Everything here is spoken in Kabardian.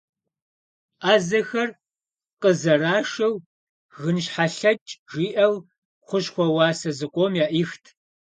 Ӏэзэхэр къызэрашэу «гынщхьэлъэкӏ» жиӏэу хущхъуэ уасэ зыкъом яӏихт.